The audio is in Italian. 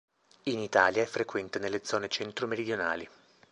In Italia è frequente nelle zone centro-meridionali.